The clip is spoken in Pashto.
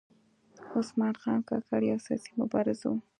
عثمان خان کاکړ یو سیاسي مبارز و .